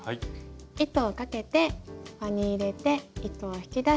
糸をかけて輪に入れて糸を引き出し